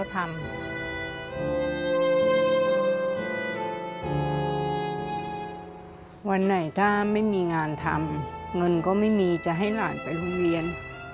ถ้าไม่มีงานทำเงินก็ไม่มีจะให้หลานไปฟุ่นเวียน